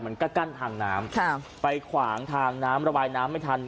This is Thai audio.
มันก็กั้นทางน้ำค่ะไปขวางทางน้ำระบายน้ำไม่ทัน